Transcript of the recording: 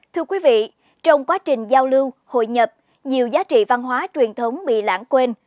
thưa quý vị trong quá trình giao lưu hội nhập nhiều giá trị văn hóa truyền thống bị lãng quên